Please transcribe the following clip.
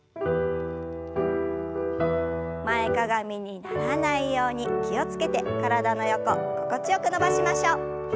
前かがみにならないように気を付けて体の横心地よく伸ばしましょう。